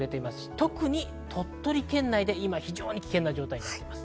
特に鳥取県内に危険な状態になっています。